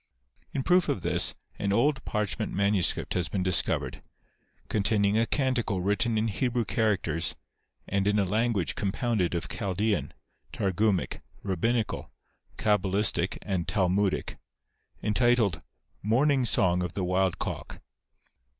In proof of this, an old parchment manuscript has been discovered, containing a canticle written in Hebrew characters, and in a language compounded of Chaldean, Targumic, Eabbinical, Cabalistic and Talmudic, entitled " Morning Song of the Wild Cock."